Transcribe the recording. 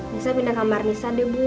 bisa pindah kamar nisa deh bu